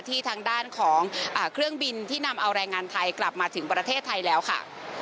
ทางด้านของเครื่องบินที่นำเอาแรงงานไทยกลับมาถึงประเทศไทยแล้วค่ะ